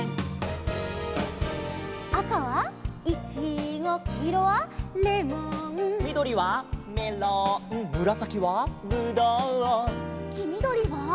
「赤はイチゴきいろはレモン」「みどりはメロンむらさきはブドウ」「きみどりは」